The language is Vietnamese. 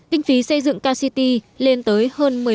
kinh phí xây dựng kct lên tới hơn